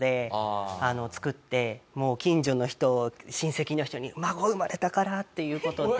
もう近所の人親戚の人に「孫生まれたから！」っていう事で。